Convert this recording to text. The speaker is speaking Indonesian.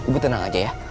bu tenang aja ya